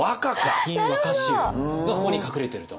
「古今和歌集」がここに隠れていると。